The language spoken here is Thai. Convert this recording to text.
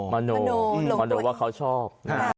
มโนว่าเขาชอบ